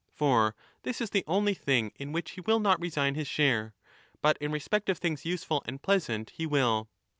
For this is the only thing in which he will not resign his share, but in 5 respect of things useful and pleasant he will.